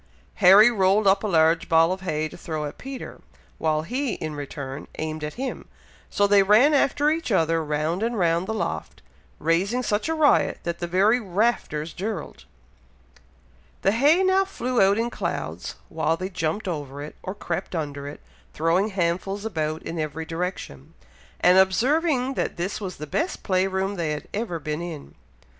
Harry rolled up a large ball of hay to throw at Peter, while he, in return, aimed at him, so they ran after each other, round and round the loft, raising such a riot, that the very "rafters dirled." The hay now flew about in clouds, while they jumped over it, or crept under it, throwing handfuls about in every direction, and observing that this was the best play room they had ever been in.